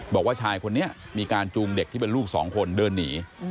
บอกว่าชายคนนี้มีการจูงเด็กที่เป็นลูกสองคนเดินหนี